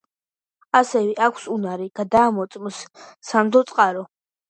ასევე აქვს უნარი გადაამოწმოს სანდო წყარო.